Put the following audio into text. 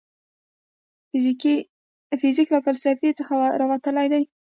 فزیک له فلسفې څخه راوتلی دی.